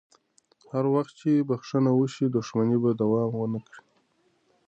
هر وخت چې بخښنه وشي، دښمني به دوام ونه کړي.